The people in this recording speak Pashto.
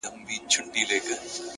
لوړ شخصیت له کوچنیو کارونو څرګندیږي!